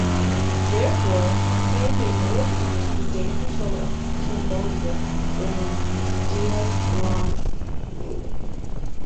Thereafter, Siam made no attempts to regain control of Cambodia during Gia Long's rule.